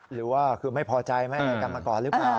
หรือว่าคือไม่พอใจมาก่อนหรือเปล่า